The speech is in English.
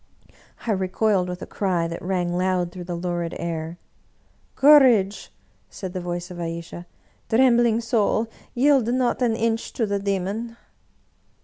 I recoiled, with a cry that rang loud through the lurid air. " Courage !" said the voice of Ayesha. " Trembling soul, yield not an inch to the demon